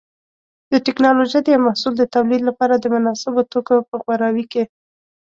د ټېکنالوجۍ د یو محصول د تولید لپاره د مناسبو توکو په غوراوي کې.